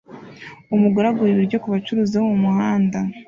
Umugore agura ibiryo kubacuruzi bo mumuhanda